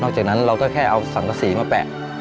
จากนั้นเราก็แค่เอาสังกษีมาแปะ